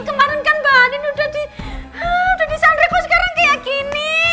kemarin kan mbak andin udah disandriku sekarang kayak gini